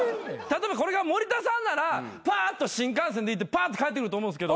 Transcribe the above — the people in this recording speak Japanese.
例えば森田さんならパーッと新幹線で行ってパーッと帰ってくると思うんです。